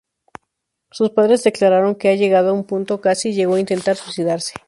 Sus padres declararon que llegado a un punto Cassie llegó a intentar suicidarse.